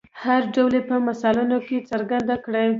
هر ډول یې په مثالونو کې څرګند کړئ.